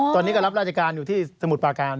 ตอนนี้ก็รับราชการอยู่ที่สมุทรปาการ